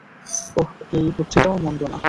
ওহ, এই বুদ্ধিটাও মন্দ না!